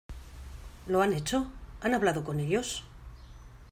¿ lo han hecho? ¿ han hablado con ellos ?